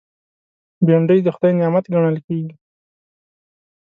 بېنډۍ د خدای نعمت ګڼل کېږي